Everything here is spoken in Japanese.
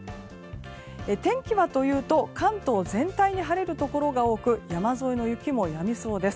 天気はというと関東全体に晴れるところが多く山沿いの雪もやみそうです。